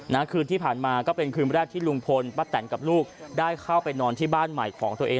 คืนที่ผ่านมาก็เป็นคืนแรกที่ลุงพลป้าแตนกับลูกได้เข้าไปนอนที่บ้านใหม่ของตัวเอง